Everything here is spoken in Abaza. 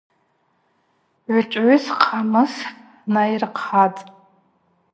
Гӏвычӏвгӏвыс хъамыс найырхъатӏ.